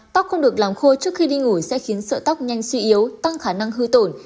tóc không được làm khô trước khi đi ngủ sẽ khiến sợ tóc nhanh suy yếu tăng khả năng hư tổn